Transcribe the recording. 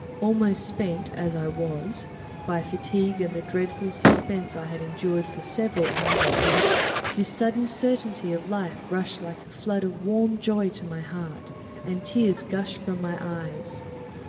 Almost spent, as I was, by fatigue and the dreadful suspense I endured for several hours, this sudden certainty of life rushed like a flood of warm joy to my heart, and tears gushed from my eyes.